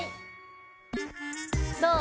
どう？